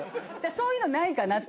そういうのないかなって。